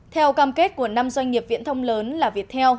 theo cam kết của năm doanh nghiệp viễn thông lớn là viettel